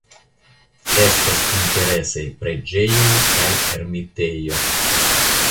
Estas interesaj preĝejoj kaj ermitejo.